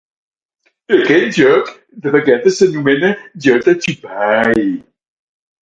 Aquest joc de vegades s'anomena "joota chupai".